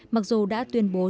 mặc dù đã tuyên bố